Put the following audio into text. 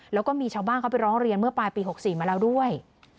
แล้วก็มีชาวบ้านเขาไปร้องเรียนเมื่อปลายปี๖๔มาแล้วด้วย